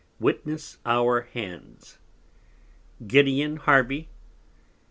Witness our Hands, _Gideon Harvey.